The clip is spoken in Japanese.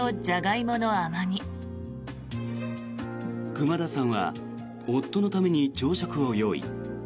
熊田さんは夫のために朝食を用意。